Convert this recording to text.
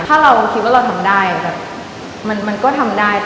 ถ้าเราคิดว่าเราทำได้แบบมันก็ทำได้